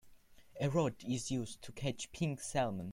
A rod is used to catch pink salmon.